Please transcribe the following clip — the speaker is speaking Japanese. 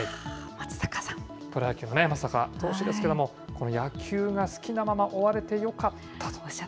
プロ野球の松坂投手ですけれども、この野球が好きなまま終われてよかったと。